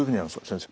先生。